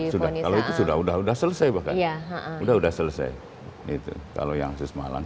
sudah kalau itu sudah selesai bahkan sudah selesai kalau yang khusus malang